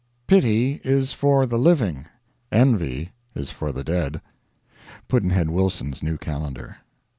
Pity is for the living, Envy is for the dead. Pudd'nhead Wilson's New Calendar.